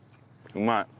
うまいわ。